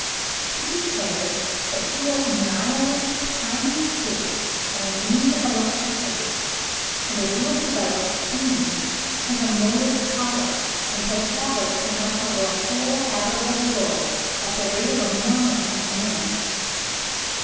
He declares that he will annihilate time and space by means of electricity; and that he will develop steam as a motive power, until travelers can rush over the whole habitable globe at the rate of a mile in a minute.